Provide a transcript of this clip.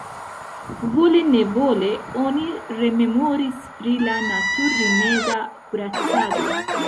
Vole-nevole oni rememoris pri la natur-rimeda kuracado.